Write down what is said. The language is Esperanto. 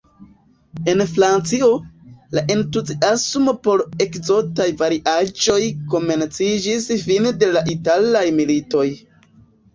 En Francio, la entuziasmo por la ekzotaj variaĵoj komenciĝis fine de la italaj militoj.